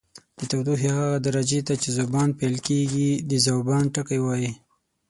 د تودوخې هغه درجې ته چې ذوبان پیل کوي د ذوبان ټکی وايي.